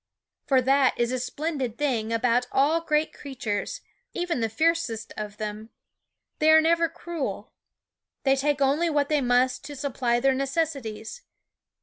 For that is a splen did thing about all great creatures, even ^^ the fiercest of them : they are never cruel. They take only what they must to supply their necessities.